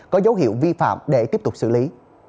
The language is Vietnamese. có dấu hiệu vi phạm để tiếp tục xử lý